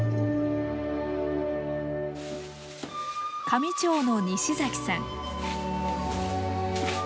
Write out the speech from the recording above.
香美町の西崎さん。